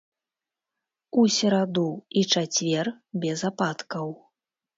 У сераду і чацвер без ападкаў.